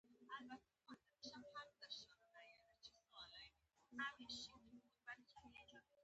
پوهنتون د علمي څیړنې او نوښت ځای دی.